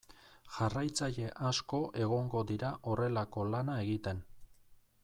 Jarraitzaile asko egongo dira horrelako lana egiten.